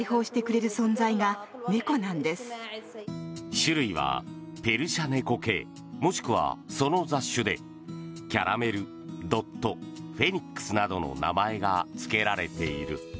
種類はペルシャネコ系もしくは、その雑種でキャラメル、ドットフェニックスなどの名前がつけられている。